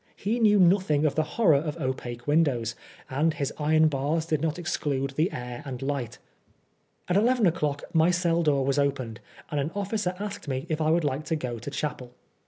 He knew nothing of the horror of opaque windows, and his iron bars did not exclude the air and light. At eleven o'clock my cell door was opened, and an officer asked me if I would like to go to chapel.